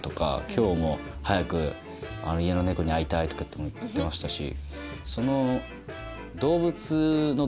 今日も「早く家の猫に会いたい」とか言ってましたし。